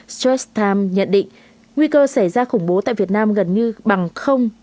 shade time nhận định nguy cơ xảy ra khủng bố tại việt nam gần như bằng không